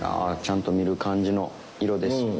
ちゃんと見る感じの色です。